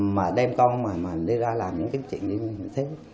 mà đem con mà mình đi ra làm những cái chuyện như thế